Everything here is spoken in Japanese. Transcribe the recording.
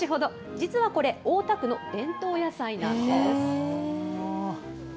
実はこれ、大田区の伝統野菜なんです。